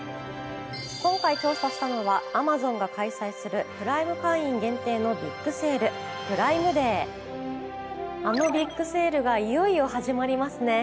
今回調査したのはＡｍａｚｏｎが開催するプライム会員限定のビッグセール「プライムデー」あのビッグセールがいよいよ始まりますね。